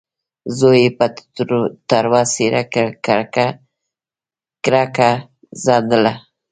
زوی يې په تروه څېره ککره څنډله.